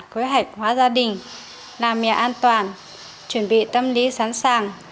quy hoạch hóa gia đình làm nhà an toàn chuẩn bị tâm lý sẵn sàng